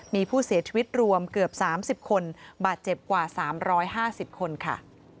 มีผู้เสียชีวิตรวมเกือบ๓๐คนบาดเจ็บกว่า๓๕๐คนค่ะ